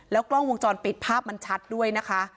กล้องวงจรปิดภาพมันชัดด้วยนะคะ